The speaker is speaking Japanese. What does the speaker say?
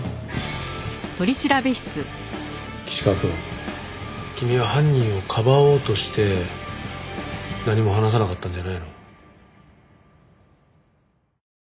岸川くん君は犯人をかばおうとして何も話さなかったんじゃないの？